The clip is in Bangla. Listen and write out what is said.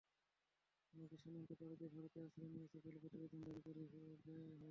অনেকে সীমান্ত পাড়ি দিয়ে ভারতেও আশ্রয় নিয়েছে বলে প্রতিবেদনে দাবি করা হয়েছে।